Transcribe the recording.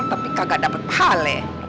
tapi kagak dapet pahala